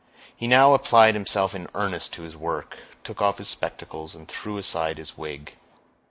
He now applied himself in earnest to his work, took off his spectacles, and threw aside his wig.